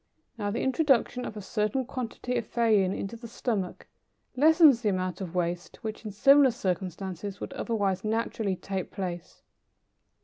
Now, the introduction of a certain quantity of theine into the stomach lessens the amount of waste which in similar circumstances would otherwise naturally take place.